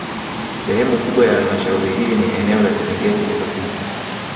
Sehemu kubwa ya Halmashauri hii ni eneo la Serengeti Ecosystem